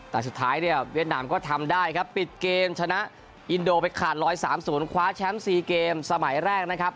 แต่สุดท้ายเนี่ยเวียดนามก็ทำได้ครับปิดเกมชนะอินโดไปขาด๑๓๐คว้าแชมป์๔เกมสมัยแรกนะครับ